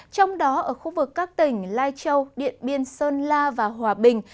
trong đó ở khu vực các tỉnh lai châu điện biên sơn la và hòa bình